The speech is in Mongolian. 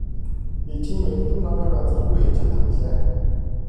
Би тийм эрдэм номын газар юу хийж чадах билээ?